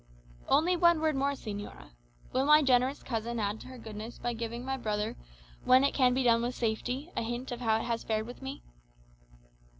"Only one word more, señora. Will my generous cousin add to her goodness by giving my brother, when it can be done with safety, a hint of how it has fared with me?"